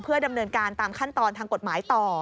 ดำเนินการตามขั้นตอนทางกฎหมายต่อ